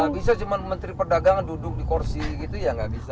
gak bisa cuma menteri pedagang duduk di kursi gitu ya gak bisa